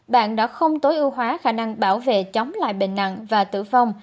bạn đã không tối ưu hóa khả năng bảo vệ chống lại bệnh nặng